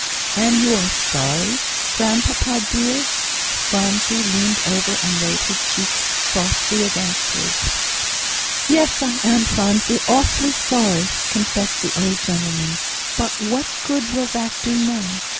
"And you are sorry, Grandpapa dear?" Phronsie leaned over and laid her cheek softly against his. "Yes, I am, Phronsie, awfully sorry," confessed the old gentleman; "but what good will that do now?